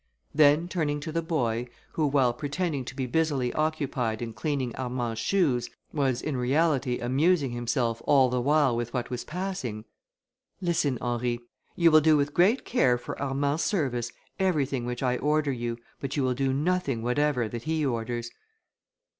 Then, turning to the boy, who while pretending to be busily occupied in cleaning Armand's shoes, was, in reality, amusing himself all the while with what was passing, "Listen, Henry; you will do with great care for Armand's service, everything which I order you, but you will do nothing whatever that he orders."